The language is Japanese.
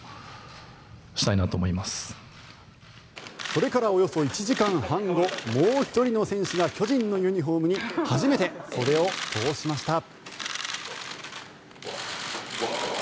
それからおよそ１時間半後もう１人の選手が巨人のユニホームに初めて袖を通しました。